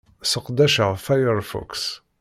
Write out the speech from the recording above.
Sseqdaceɣ Firefox.